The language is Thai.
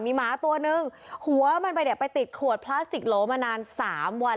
มีหมาตัวนึงหัวมันไปเนี่ยไปติดขวดพลาสติกโหลมานานสามวัน